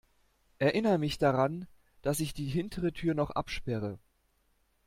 Erinner mich daran, dass ich die hintere Tür noch absperre.